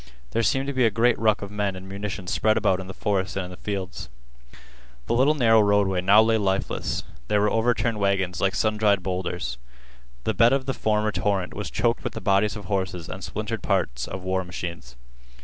There seemed to be a great ruck of men and munitions spread about in the forest and in the fields. The little narrow roadway now lay lifeless. There were overturned wagons like sun dried bowlders. The bed of the former torrent was choked with the bodies of horses and splintered parts of war machines.